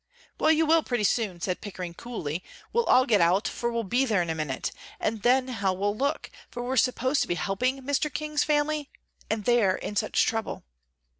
"Well, you will pretty soon," said Pickering, coolly; "we'll all get out, for we'll be there in a minute. And then how we'll look, for we're supposed to be helping Mr. King's family, and they're in such trouble."